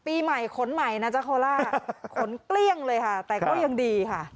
ปีใหม่ขนใหม่นะจ๊ะโคล่าขนเกลี้ยงเลยค่ะแต่ก็ยังดีค่ะ